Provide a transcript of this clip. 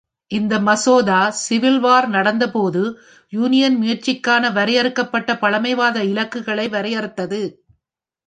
இந்த மசோதா civil war நடந்த போது யூனியன் முயற்சிக்கான வரையறுக்கப்பட்ட பழமைவாத இலக்குகளை வரையறுத்தது.